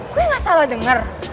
gue gak salah denger